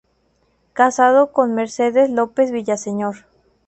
Casado con "Mercedes López Villaseñor".